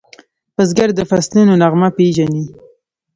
بزګر د فصلونو نغمه پیژني